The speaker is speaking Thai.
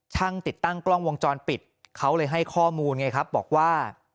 ช่างติดตั้งกล้องวงจรปิดเขาเลยให้ข้อมูลไงครับบอกว่า